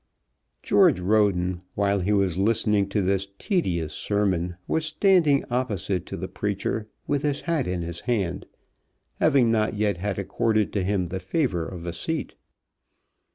George Roden, while he was listening to this tedious sermon, was standing opposite to the preacher with his hat in his hand, having not yet had accorded to him the favour of a seat.